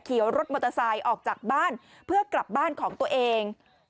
รถมอเตอร์ไซค์ออกจากบ้านเพื่อกลับบ้านของตัวเอง